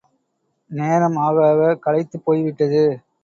நேரம் ஆக ஆக, களைத்துப் போய்விட்டது.